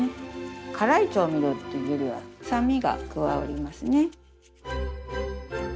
辛い調味料っていうよりは酸味が加わりますね。